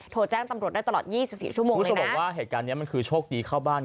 โทรแจ้งตำรวจได้ตลอดยี่สิบสี่ชั่วโมงคุณผู้ชมบอกว่าเหตุการณ์เนี้ยมันคือโชคดีเข้าบ้าน